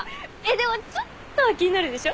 でもちょっとは気になるでしょ？